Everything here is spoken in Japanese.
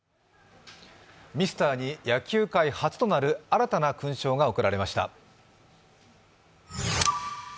ミスターに野球界初となる新たな勲章が贈られました。